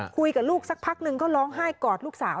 คุยกับลูกสักพักนึงก็ร้องไห้กอดลูกสาว